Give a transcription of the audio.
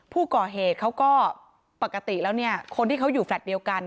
ผู้ก่อเหตุเขาก็ปกติแล้วเนี่ยคนที่เขาอยู่แฟลต์เดียวกัน